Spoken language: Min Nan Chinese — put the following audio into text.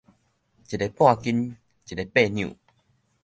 一个半斤，一个八兩